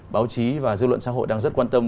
báo chí và dư luận xã hội đang rất quan tâm